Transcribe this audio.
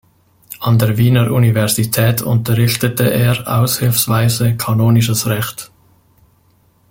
An der Wiener Universität unterrichtete er aushilfsweise Kanonisches Recht.